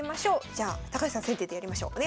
じゃあ高橋さん先手でやりましょう。